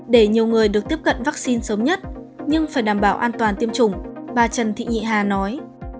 để nhiều người được tiếp cận vaccine sớm nhất nhưng phải đảm bảo an toàn tiêm chủng bà trần thị nhị hà nói